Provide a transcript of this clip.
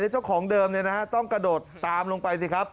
และเจ้าของเดิมเนี่ยนะฮะต้องกระโดดตามลงไปสิครับ